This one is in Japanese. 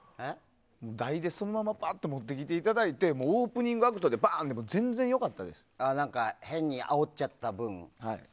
台でそのままバーッと持ってきてもらってオープニングアクトでバーン！で変にあおっちゃった分え？